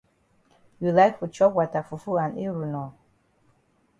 You like for chop wata fufu and eru nor?